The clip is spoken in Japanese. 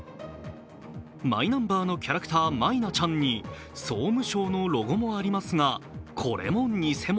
マイナンバーのキャラクターマイナちゃんに総務省のロゴもありますがこれも偽物。